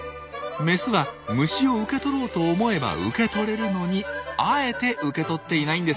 メスは虫を受け取ろうと思えば受け取れるのにあえて受け取っていないんですよ。